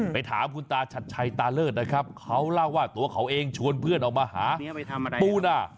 ถามคุณตาชัดชัยตาเลิศนะครับเขาเล่าว่าตัวเขาเองชวนเพื่อนออกมาหาปูนา